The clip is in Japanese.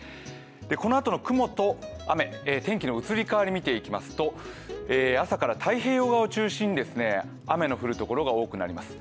このあとの雲と雨、天気の移り変わり見ていきますと朝から太平洋側を中心に雨が降るところが多くなります。